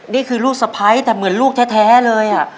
นี่คือลูกสะพ้ายแต่เหมือนลูกแท้เลย